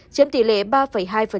chiếm tỷ lệ ba hai